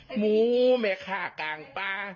หมูแม่ค้ากลางปลา